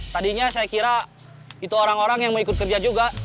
tadinya saya kira itu orang orang yang mau ikut kerja juga